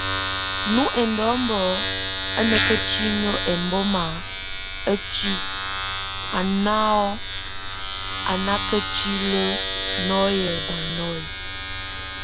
Nʼ ondɔmb a nakatin embɔmak a tík a nɔn a nákatile nɔ́ye na nɔy.